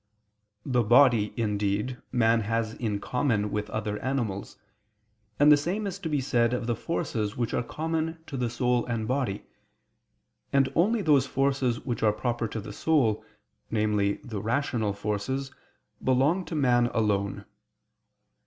The body, indeed, man has in common with other animals; and the same is to be said of the forces which are common to the soul and body: and only those forces which are proper to the soul, namely, the rational forces, belong to man alone.